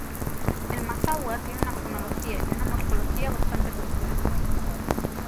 El mazahua tiene una fonología y una morfología bastante complejas.